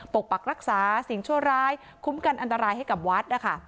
ปกปักรักษาสิ่งชั่วร้ายคุ้มกันอันตรายให้กับวัดนะคะ